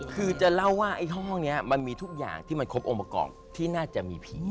คือจะเล่าว่าไอ้ห้องนี้มันมีทุกอย่างที่มันครบองค์ประกอบที่น่าจะมีผี